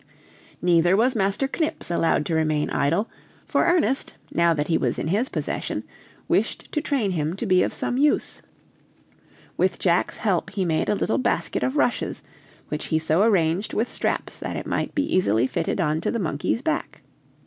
Neither was Master Knips allowed to remain idle, for Ernest, now that he was in his possession, wished to train him to be of some use. With Jack's help he made a little basket of rushes, which he so arranged with straps that it might be easily fitted on to the monkey's back.